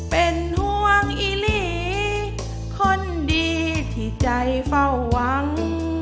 เป็นห่วงอีหลีคนดีที่ใจเฝ้าหวัง